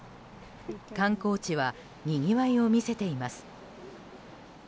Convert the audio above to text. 観光地はにぎわいを見せています。